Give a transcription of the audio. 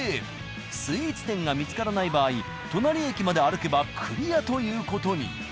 スイーツ店が見つからない場合隣駅まで歩けばクリアという事に。